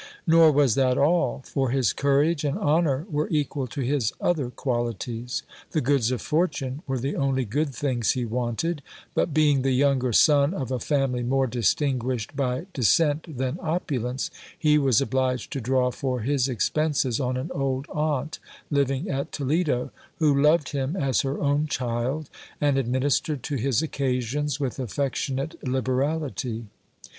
Nor was that all ; for his courage and honour were equal to his other qualities : the goods of fortune were the only good things he wanted, but being the younger son of a family more distinguished by descent than opulence, he was obliged to draw for his expenses on an old aunt living at Toledo, who loved him as her own child, and administered to his occasions with affectionate liber ality.